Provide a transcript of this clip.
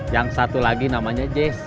yang satu lagi namanya j